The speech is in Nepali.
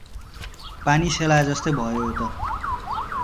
पानी सेलाए जस्तै भयो यो त।